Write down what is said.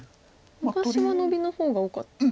昔はノビの方が多かった？